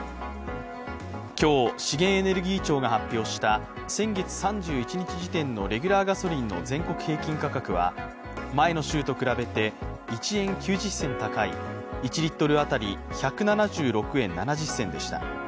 今日、資源エネルギー庁が発表した先月３１日時点のレギュラーガソリンの全国平均価格は前の週と比べて１円９０銭高い１リットル当たり１７６円７０銭でした。